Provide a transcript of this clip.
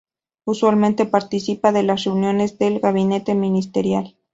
Usualmente participa de las reuniones del gabinete ministerial.